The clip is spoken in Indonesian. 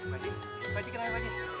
pak ji pak ji kenapa pak ji